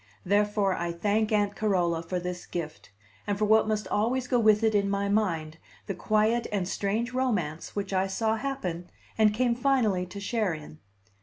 Therefore I thank Aunt Carola for this gift, and for what must always go with it in my mind, the quiet and strange romance which I saw happen, and came finally to share in.